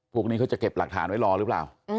พวกนี้เขาจะเก็บหลักฐานไว้รอหรือเปล่า